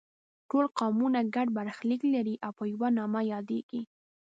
ټول قومونه ګډ برخلیک لري او په یوه نامه یادیږي.